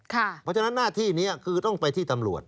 เพราะฉะนั้นหน้าที่นี้คือต้องไปที่ตำรวจ